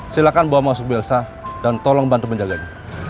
silakan bawa masya maa di ibu elsa dan tolong bantu menjaganya